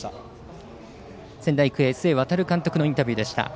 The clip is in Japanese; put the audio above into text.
仙台育英、須江航監督のインタビューでした。